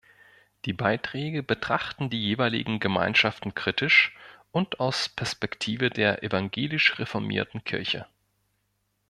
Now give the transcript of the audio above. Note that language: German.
Die Beiträge betrachten die jeweiligen Gemeinschaften kritisch und aus Perspektive der Evangelisch-Reformierten Kirche.